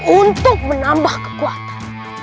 untuk menambah kekuatan